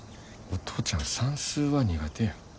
お父ちゃん算数は苦手や。